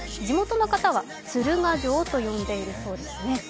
地元の方は鶴ヶ城と呼んでいるそうですね。